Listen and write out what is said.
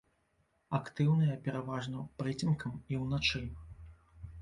Актыўныя пераважна прыцемкам і ўначы.